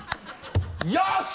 よし！